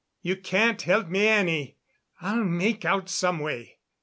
You can't help me any. I'll make out some way.